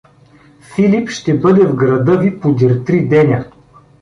Филип ще бъде в града ви подир три деня.